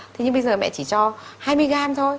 thế nhưng bây giờ mẹ chỉ cho hai mươi gram thôi